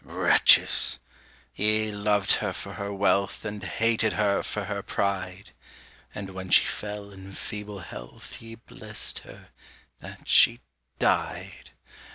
"Wretches! ye loved her for her wealth and hated her for her pride. And when she fell in feeble health, ye blessed her that she died!